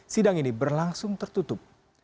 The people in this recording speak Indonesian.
sidang ini berlangsung tertutup